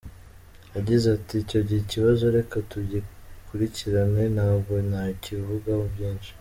Yagize ati “Icyo kibazo reka tugikurikirane, ntabwo nakivugaho byinshi.